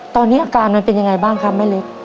ตอนนี้อาการมันเป็นยังไงบ้างครับแม่เล็ก